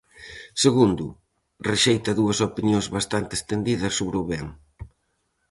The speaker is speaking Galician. Segundo, rexeita dúas opinións bastante estendidas sobre o ben.